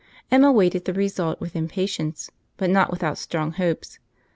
Emma waited the result with impatience, but not without strong hopes.